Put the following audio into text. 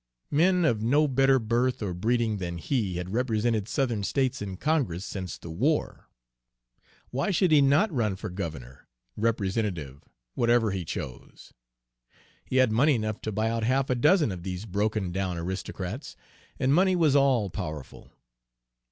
Men of no better birth or breeding than he had represented Southern states in Congress since the war. Why should he not run for governor, representative, whatever he chose? He had money enough to buy out half a dozen of these broken down aristocrats, and money was all powerful.